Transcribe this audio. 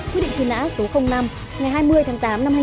quyết định truy nã số năm ngày hai mươi tháng tám năm hai nghìn một mươi